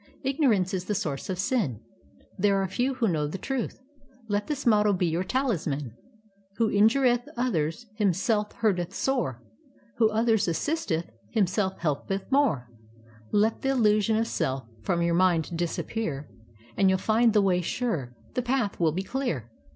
Ignorance is the source of sin. There are few who know the truth. Let this motto be your tahs man: — 50 KARMA: A STORY OF BUDDHIST ETHICS 'Who injureth others Himself hurtcth sore; Who others assisteth Himself hclpcth more. Let th' illusion of self From your mind disappear, And you'll find the way sure; The path will be clear.'